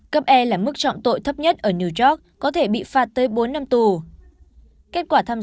cấp e là mức trọng tội thấp nhất ở new york có thể bị phá hủy